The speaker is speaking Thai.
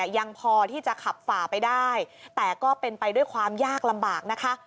ยังพอที่จะขับฝ่าไปได้แต่ก็เป็นไปด้วยความยากลำบากนะคะ